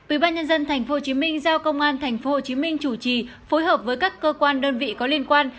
ubnd tp hcm giao công an tp hcm chủ trì phối hợp với các cơ quan đơn vị có liên quan